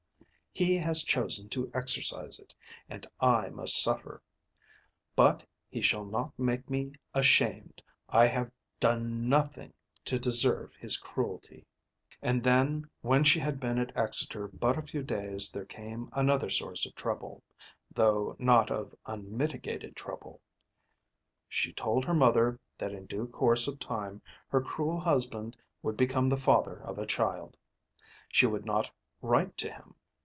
He has chosen to exercise it, and I must suffer. But he shall not make me ashamed. I have done nothing to deserve his cruelty." And then when she had been at Exeter but a few days there came another source of trouble, though not of unmitigated trouble. She told her mother that in due course of time her cruel husband would become the father of a child. She would not write to him.